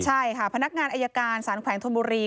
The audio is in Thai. ใช่ค่ะพนักงานอายการสารแขวงธนบุรี